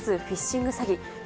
フィッシング詐欺。